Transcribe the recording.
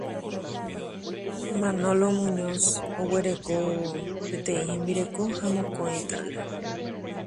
Manolo Muñoz tuvo una esposa y dos hijos.